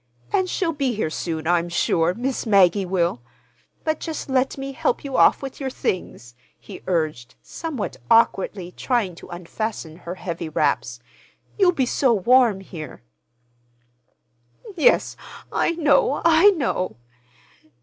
"And she'll be here soon, I'm sure—Miss Maggie will. But just let me help you off with your things," he urged, somewhat awkwardly trying to unfasten her heavy wraps. "You'll be so warm here." "Yes, I know, I know."